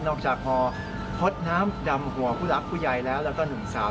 อกจากพอพดน้ำดำหัวผู้หลักผู้ใหญ่แล้วแล้วก็หนุ่มสาว